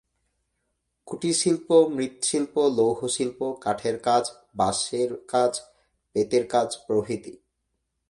কুটিরশিল্প মৃৎশিল্প, লৌহশিল্প, কাঠের কাজ, বাঁশের কাজ, বেতের কাজ প্রভৃতি।